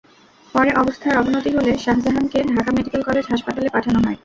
পরে অবস্থার অবনতি হলে শাহজাহানকে ঢাকা মেডিকেল কলেজ হাসপাতালে পাঠানো হয়।